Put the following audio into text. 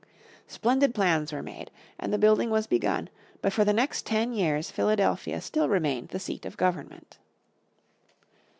Splendid plans were made, and the building was begun, but for the next ten years Philadelphia still remained the seat of government.